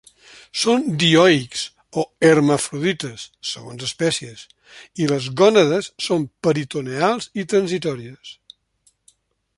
Són dioics o hermafrodites, segons espècies, i les gònades són peritoneals i transitòries.